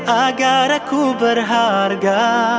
agar aku berharga